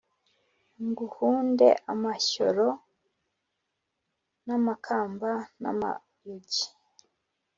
Nguhunde amashyoro n’amakamba, namayugi